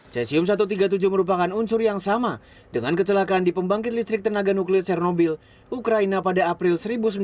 cesium satu ratus tiga puluh tujuh merupakan unsur yang sama dengan kecelakaan di pembangkit listrik tenaga nuklir cernobil ukraina pada april seribu sembilan ratus sembilan puluh